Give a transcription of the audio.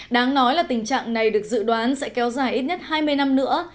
đáng nói là tình trạng này được dự đoán sẽ kéo dài ít nhất hai mươi năm nữa